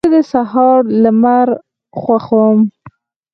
زه د سهار لمر خوښوم.